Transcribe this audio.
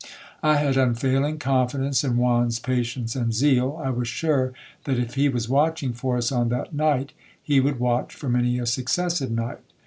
I had unfailing confidence in Juan's patience and zeal. I was sure that if he was watching for us on that night, he would watch for many a successive night.